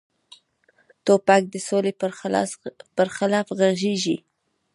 توپک د سولې پر خلاف غږیږي.